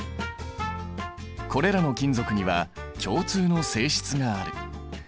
これらの金属には共通の性質がある。